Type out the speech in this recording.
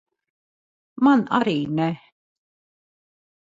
Man arī ne.